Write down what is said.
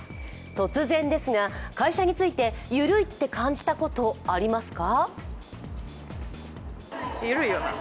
突然ですが、会社についてゆるいって感じたことありますか？